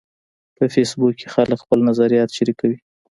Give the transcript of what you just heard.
په فېسبوک کې خلک خپل نظریات شریکوي